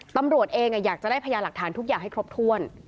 ตำรวจเองอยากจะได้พยาหลักฐานทุกอย่างให้ครบถ้วน